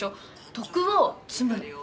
徳を積むの。